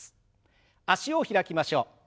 脚を開きましょう。